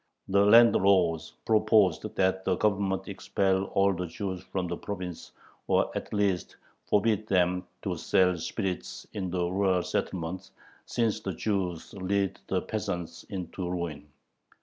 The landlords proposed that the Government expel all the Jews from the province or at least forbid them to sell spirits in the rural settlements, since the Jews "lead the peasants into ruin."